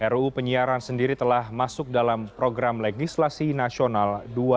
ruu penyiaran sendiri telah masuk dalam program legislasi nasional dua ribu dua puluh